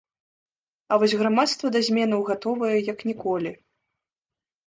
А вось грамадства да зменаў гатовае, як ніколі.